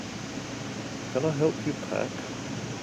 Can I help you pack?